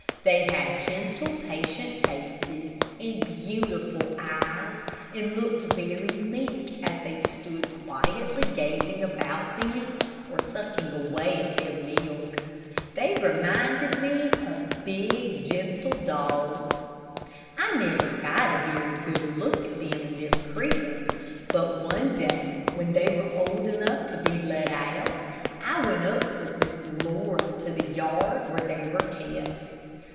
They had gentle, patient faces, and beautiful eyes, and looked very meek, as they stood quietly gazing about them, or sucking away at their milk. They reminded me of big, gentle dogs. I never got a very good look at them in their cribs, but one day when they were old enough to be let out, I went up with Miss Laura to the yard where they were kept.